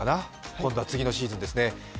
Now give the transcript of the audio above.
今度は次のシーズンですね。